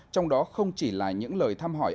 trong đó không chỉ là những lời thăm hỏi